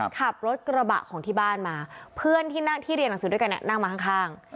ขับรถกระบะของที่บ้านมาเพื่อนที่นั่งที่เรียนหนังสือด้วยกันนั่งมาข้าง